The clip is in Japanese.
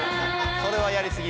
それはやりすぎ。